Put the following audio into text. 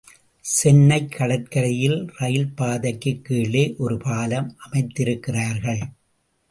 சென்னைக் கடற்கரையில் ரயில்பாதைக்குக் கீழே ஒரு பாலம் அமைத்திருக்கிறார்கள்.